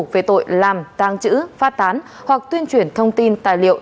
về tội làm tăng chữ phát tán hoặc tuyên truyền thông tin tài liệu